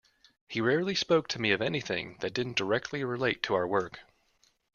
He rarely spoke to me of anything that didn't directly relate to our work.